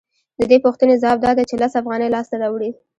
د دې پوښتنې ځواب دا دی چې لس افغانۍ لاسته راوړي